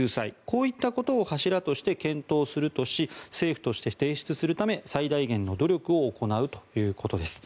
こういったことを柱として検討するとし政府として提出するため最大限の努力を行うということです。